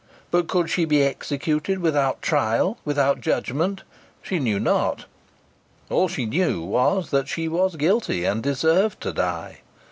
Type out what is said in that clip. But could she be executed without trial, without judgment? She knew not. All she knew was she was guilty, and deserved to die.